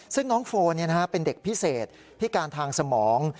ซึ่งน้องโฟนเป็นเด็กพิเศษพิการทางสมอง